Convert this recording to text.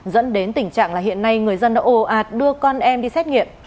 dẫn đến tình trạng là hiện nay người dân đã ồ ạt đưa con em đi xét nghiệm